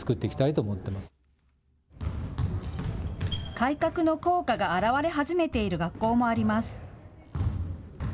改革の効果が現れ始めている学校もあります。